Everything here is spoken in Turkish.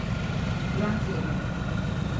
Bırak silahını!